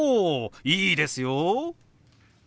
いいですよ！